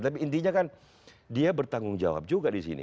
tapi intinya kan dia bertanggung jawab juga di sini